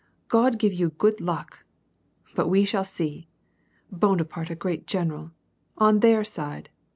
God give you good luck ! but we shall see. Bonaparte a great general, on their side